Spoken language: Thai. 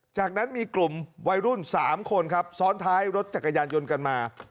จากนั้นมีกลุ่มวัยรุ่น๓คนครับซ้อนท้ายรถจักรยานยนต์กันมา